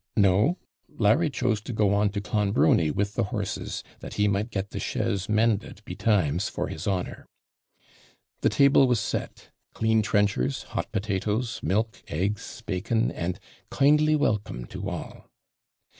No; Larry chose to go on to Clonbrony with the horses, that he might get the chaise mended betimes for his honour. The table was set; clean trenchers, hot potatoes, milk, eggs, bacon, and 'kindly welcome to all.'